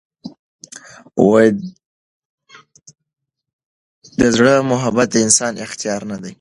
د زړه محبت د انسان اختیار نه دی.